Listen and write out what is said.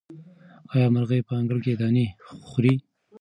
آیا مرغۍ په انګړ کې دانې خوري؟